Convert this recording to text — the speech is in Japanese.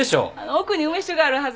奥に梅酒があるはず。